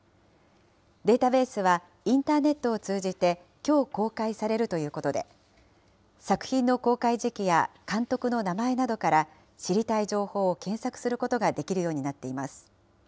データベースはインターネットを通じてきょう公開されるということで、作品の公開時期や監督の名前などから、知りたい情報を検索することができるようになっています。